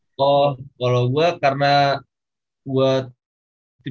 oh kalau gue karena gue tipikal power forward yang bukan terlalu gede ya